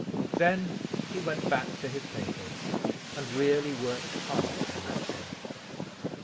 Then he went back to his papers, and really worked hard on that day.